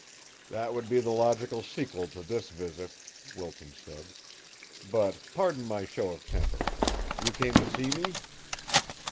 "That would be the logical sequel to this visit," Wilton said. "But pardon my show of temper. You came to see me?"